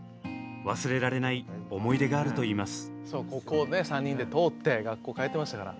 忘れられない思い出があるといいます。